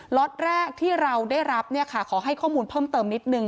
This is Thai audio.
ล็อตแรกที่เราได้รับขอให้ข้อมูลเพิ่มเติมนิดนึง